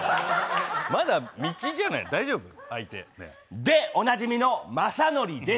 まだ道じゃないの、大丈夫、相手？でおなじみの、雅紀です。